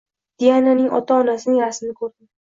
Diananing ota-onasining rasmini ko‘rdim...